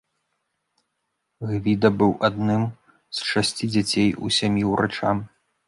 Гвіда быў адным з шасці дзяцей у сям'і ўрача.